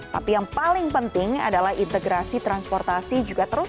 tapi yang paling penting adalah integrasi transportasi juga terus